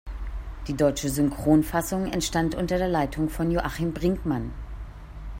Die deutsche Synchronfassung entstand unter der Leitung von Joachim Brinkmann.